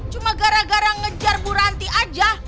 cuma gara gara ngejar buranti aja